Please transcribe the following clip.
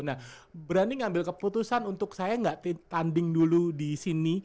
nah berani ngambil keputusan untuk saya nggak tanding dulu di sini